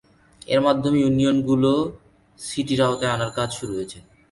এর মাধ্যমে ইউনিয়নগুলো সিটির আওতায় আনার কাজ শুরু হয়েছে।